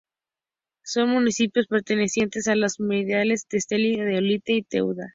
Son municipios pertenecientes a las merindades de Estella, de Olite y Tudela.